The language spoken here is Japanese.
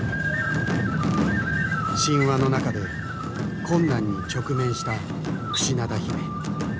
神話の中で困難に直面した櫛名田比売。